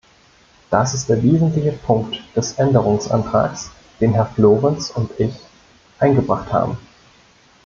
Das ist der wesentliche Punkt des Änderungsantrags, den Herr Florenz und ich eingebracht haben.